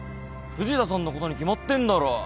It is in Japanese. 藤田さんのことに決まってんだろ。